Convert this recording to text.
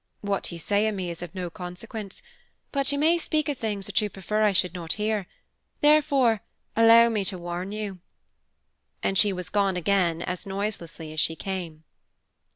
What you say of me is of no consequence, but you may speak of things which you prefer I should not hear; therefore, allow me to warn you." And she was gone again as noiselessly as she came.